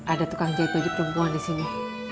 ada tukang jahit jadi perempuan disini